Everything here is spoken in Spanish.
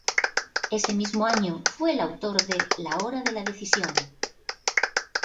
Ese mismo año fue el autor de La hora de la Decisión.